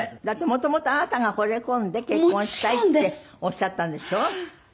だって元々あなたが惚れ込んで結婚したいっておっしゃったんでしょ？